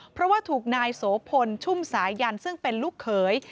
เพราะว่าถูกนายโสพลชุ่มสายันซึ่งเป็นลูกเขย